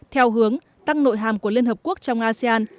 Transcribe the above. theo hướng tăng nội hàm của liên hợp quốc trong asean